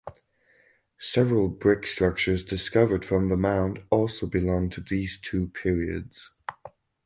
Several brick structures discovered from the mound also belong to these two periods.